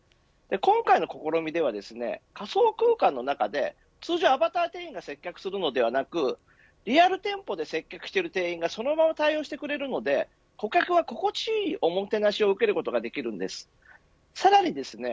今回の試みではですね仮想空間の中で、通常アバター店員が接客するのではなくリアル店舗で接客している店員がそのまま対応してくれるので顧客が心地いいおもてなしを受けることができるんです。